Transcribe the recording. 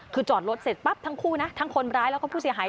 คือจอดรถเสร็จปั๊บทั้งคู่นะทั้งคนร้ายแล้วก็ผู้เสียหาย